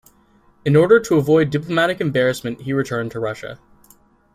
In order to avoid diplomatic embarrassment he returned to Russia.